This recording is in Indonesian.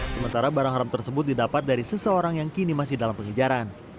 sementara barang haram tersebut didapat dari seseorang yang kini masih dalam pengejaran